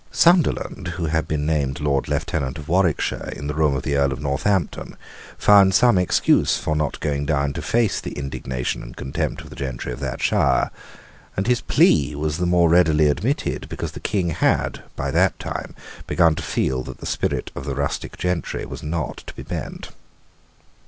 Sunderland, who had been named Lord Lieutenant of Warwickshire in the room of the Earl of Northampton, found some excuse for not going down to face the indignation and contempt of the gentry of that shire; and his plea was the more readily admitted because the King had, by that time, begun to feel that the spirit of the rustic gentry was not to be bent.